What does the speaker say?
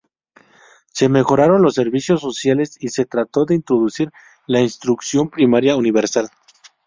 Se mejoraron los servicios sociales y se trató de introducir la instrucción primaria universal.